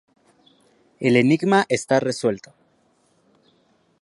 El enigma está resuelto.